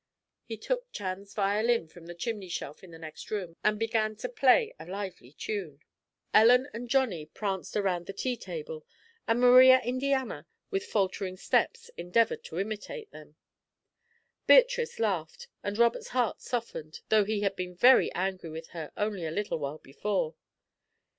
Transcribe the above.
He took Chan's violin from the chimney shelf in the next room, and began to play a lively tune. Ellen and Johnny pranced around the tea table, and Maria Indiana, with faltering steps, endeavoured to imitate them. Beatrice laughed, and Robert's heart softened, though he had been very angry with her only a little while before.